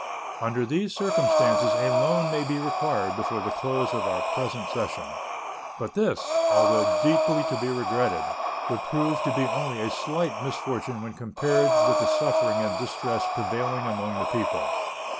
Under these circumstances a loan may be required before the close of your present session; but this, although deeply to be regretted, would prove to be only a slight misfortune when compared with the suffering and distress prevailing among the people.